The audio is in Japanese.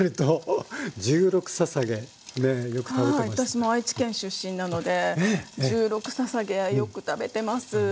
私も愛知県出身なので十六ささげはよく食べてます。